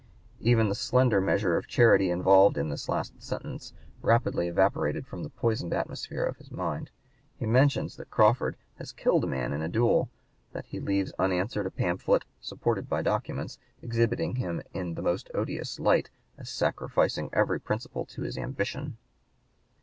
Even the slender measure of charity involved in this last sentence rapidly evaporated from the poisoned atmosphere of his mind. He mentions that Crawford has killed a man in a duel; that he leaves unanswered a pamphlet "supported by documents" exhibiting him "in the most odious light, as sacrificing every principle to his ambition."